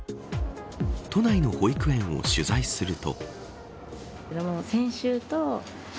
都内の保育園を取材すると。